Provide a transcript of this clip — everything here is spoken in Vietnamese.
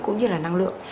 cũng như là năng lượng